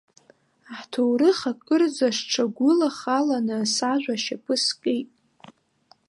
Ҳҭоурых акырӡа сҽагәылахаланы сажәа ашьапы скит.